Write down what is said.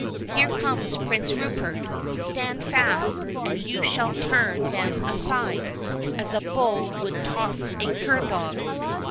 —Here comes Prince Rupert—Stand fast, and you shall turn them aside, as a bull would toss a cur dog.